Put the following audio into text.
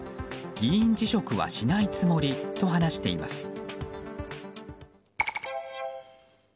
議員辞職はしないつもりと話しています。